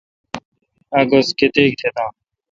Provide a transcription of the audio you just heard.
اک گز کتیک تہ دان